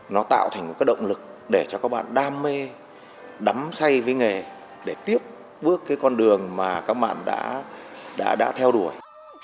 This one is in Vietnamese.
nó tạo thành một cái động lực để cho các bạn đam mê đắm say với nghề để tiếp bước cái con đường mà các bạn đã theo đuổi